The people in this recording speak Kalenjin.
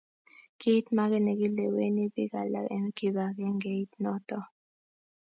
Kiit maket nekileweni bik alak eng kibagengeit noto.